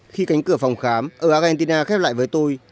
khi cánh cửa phòng khám ở argentina khép lại với tôi